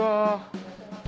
いらっしゃいませ。